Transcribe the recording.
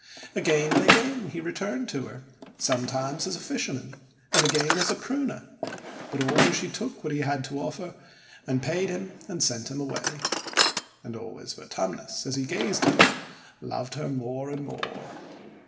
Again and again he returned to her, some times as a fisherman, and again as a pruner; but always she took what he had to offer, and paid him and sent him away. And always Vertumnus, as he gazed at her, loved her more and more.